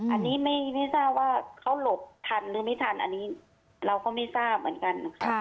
อันนี้ไม่ทราบว่าเขาหลบทันหรือไม่ทันอันนี้เราก็ไม่ทราบเหมือนกัน